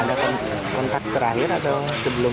ada kontak terakhir atau sebelum